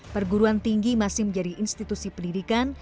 perguruan tinggi masih menjadi institusi pendidikan